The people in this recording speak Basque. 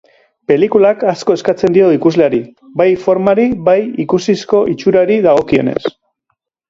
Pelikulak asko eskatzen dio ikusleari, bai formari bai ikusizko itxurari dagokienez.